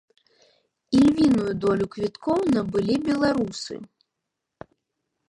Ільвіную долю квіткоў набылі беларусы.